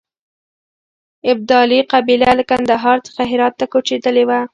ابدالي قبیله له کندهار څخه هرات ته کوچېدلې وه.